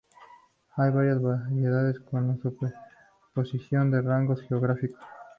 Hay varias variedades con la superposición de rangos geográficos.